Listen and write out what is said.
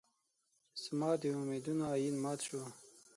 چې زما د امېدونو ائين مات شو